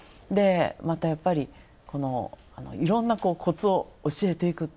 またやっぱり、いろんなコツを教えていく。